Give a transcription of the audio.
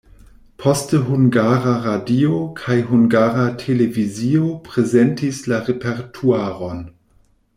Poste Hungara Radio kaj Hungara Televizio prezentis la repertuaron.